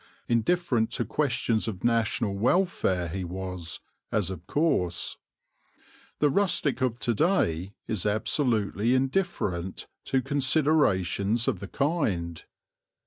Indifferent to questions of national welfare he was, as of course. The rustic of to day is absolutely indifferent to considerations of the kind.